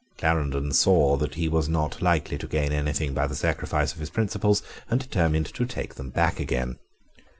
Clarendon saw that he was not likely to gain anything by the sacrifice of his principles, and determined to take them back again.